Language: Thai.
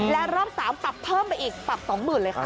และรอบ๓ปรับเพิ่มไปอีกปรับ๒๐๐๐เลยค่ะ